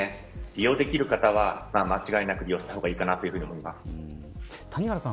利用できる方は間違いなく利用した方がいいなと思います。